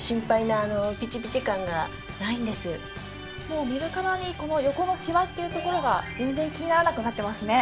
もう見るからにこの横のシワっていうところが全然気にならなくなってますね。